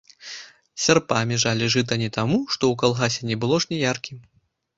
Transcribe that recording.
Сярпамі жалі жыта не таму, што ў калгасе не было жняяркі.